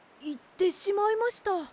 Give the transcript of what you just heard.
いってしまいました。